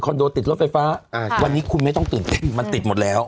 โดติดรถไฟฟ้าวันนี้คุณไม่ต้องตื่นเต้นมันติดหมดแล้ว